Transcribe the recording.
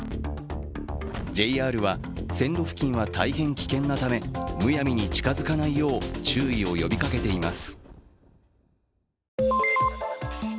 ＪＲは線路付近は大変危険なためむやみに近づかないよう注意を呼びかけています。